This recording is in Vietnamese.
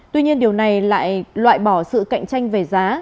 tuy nhiên điều này lại loại bỏ sự cạnh tranh về giá